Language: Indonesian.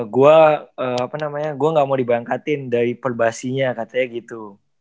gue apa namanya gue gak mau diberangkatin dari perbasinya katanya gitu